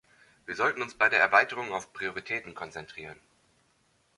Wir sollten uns bei der Erweiterung auf Prioritäten konzentrieren.